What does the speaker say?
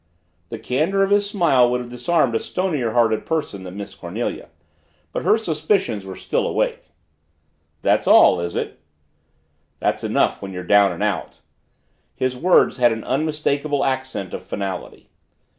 The candor of his smile would have disarmed a stonier hearted person than Miss Cornelia. But her suspicions were still awake. "'That's all, is it?" "That's enough when you're down and out." His words had an unmistakable accent of finality.